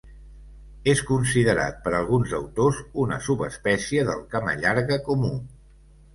És considerat per alguns autors una subespècie del camallarga comú.